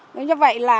như vậy là cho nên là